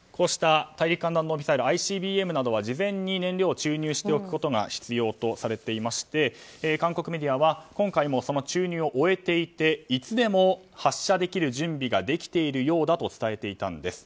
大陸間弾道ミサイル・ＩＣＢＭなどは事前に燃料を注入しておくことが必要とされていまして韓国メディアは今回もその注入を終えていていつでも発射できる準備ができているようだと伝えていたんです。